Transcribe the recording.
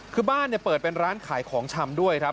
คือบ้านเปิดเป็นร้านขายของชำด้วยครับ